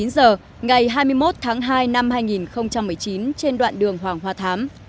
ngày hai mươi một tháng hai năm hai nghìn một mươi chín trên đoạn đường hoàng hoa thám